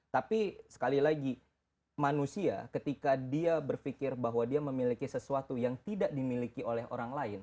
tapi sekali lagi manusia ketika dia berpikir bahwa dia memiliki sesuatu yang tidak dimiliki oleh orang lain